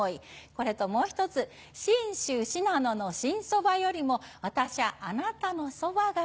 これともう一つ「信州信濃の新そばよりも私ゃあなたのそばがいい」。